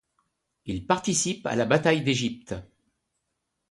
Il participe à la bataille d'Égypte.